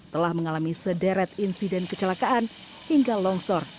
telah mengalami sederet insiden kecelakaan hingga longsor